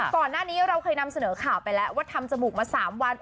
ก่อนหน้านี้เราเคยนำเสนอข่าวไปแล้วว่าทำจมูกมา๓วัน